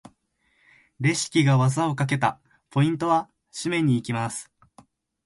レシキが技をかけた！ポイントは？締めに行きます！